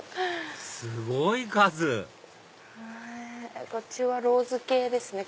すごい数こっちはローズ系ですね。